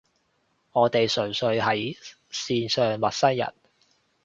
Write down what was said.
我哋純粹係線上陌生人